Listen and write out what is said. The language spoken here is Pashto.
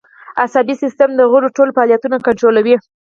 عصبي سیستم د غړو ټول فعالیتونه کنترولوي